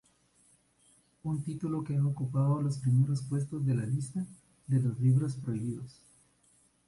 Un título que ha ocupado los primeros puestos en la lista de Libros Prohibidos.